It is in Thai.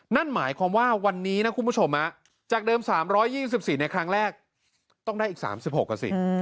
นั่นหมายความว่าวันนี้นะคุณผู้ชมจากเดิม๓๒๔ในครั้งแรกต้องได้อีก๓๖อ่ะสิ